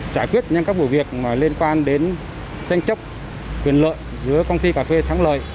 giải quyết nhanh các vụ việc liên quan đến tranh chấp quyền lợi giữa công ty cà phê thắng lợi